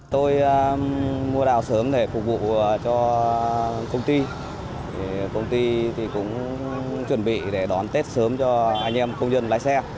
tôi mua đào sớm để phục vụ cho công ty công ty cũng chuẩn bị để đón tết sớm cho anh em công nhân lái xe